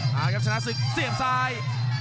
มาครับชนะศึกเสียบซ้าย